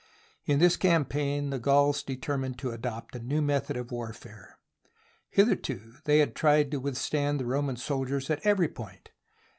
In this campaign the Gauls determined to adopt a new method of warfare. Hitherto they had tried to withstand the Roman soldiers at every point.